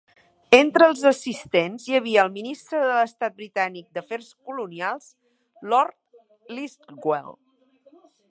Entre els assistents hi havia el ministre d'Estat britànic d'Afers Colonials, Lord Listowel.